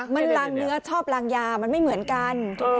มันลางเนื้อชอบลางยามันไม่เหมือนกัน